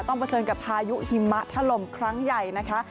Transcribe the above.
เผชิญกับพายุหิมะถล่มครั้งใหญ่นะคะ